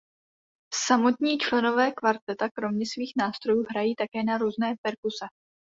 Samotní členové kvarteta kromě svých nástrojů hrají také na různé perkuse.